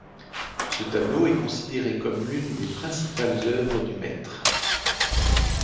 Ce tableau est considéré comme l'une des principales œuvres du maître.